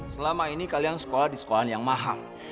selama ini kalian sekolah di sekolah yang mahal